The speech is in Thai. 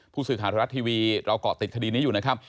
ผู้สื่อข่าวไทยรัฐทีวีเราเกาะติดคดีนี้อยู่นะครับ